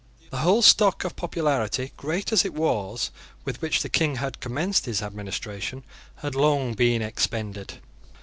The whole stock of popularity, great as it was, with which the King had commenced his administration, had long been expended.